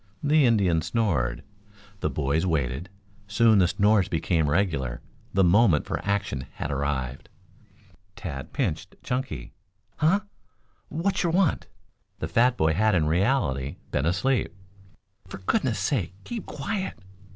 The Indian snored. The boys waited. Soon the snores became regular. The moment for action had arrived. Tad pinched Chunky. "Huh! Wat'cher want?" The fat boy had in reality been asleep. "For goodness sake, keep quiet!"